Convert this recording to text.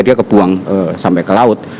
dia kebuang sampai ke laut